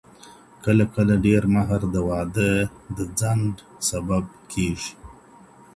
کله کله ډير مهر د واده د ځنډ سبب کيږي.